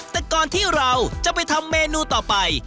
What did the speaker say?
แต่ก่อนที่เราจะไปทำเมนูต่อไป